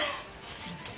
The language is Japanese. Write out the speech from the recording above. すいません。